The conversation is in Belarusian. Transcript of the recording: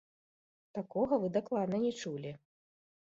Такога вы дакладна не чулі!